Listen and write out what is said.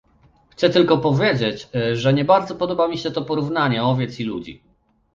Chcę tylko powiedzieć, że nie bardzo podoba mi się to porównanie owiec i ludzi